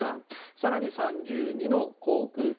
更に、３２の航空機。